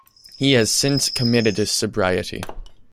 He has since committed to sobriety.